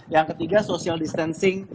yang ketiga social distancing